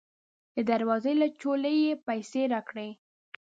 د دروازې له چولې یې پیسې راکړې.